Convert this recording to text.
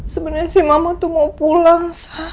sebenernya sih mama tuh mau pulang